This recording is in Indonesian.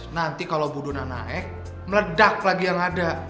nanti kalau budunan naik meledak lagi yang ada